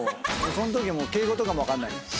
そんとき敬語とかも分かんない。